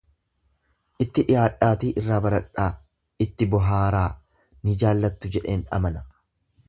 Itti dhiyaadhaatii irraa baradhaa, itti bohaaraa, ni jaalattu jedheen amana.